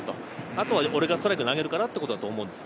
あとは俺がストライク投げるからっていうことだと思います。